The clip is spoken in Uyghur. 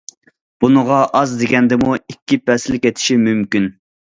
بۇنىڭغا ئاز دېگەندىمۇ ئىككى پەسىل كېتىشى مۇمكىن.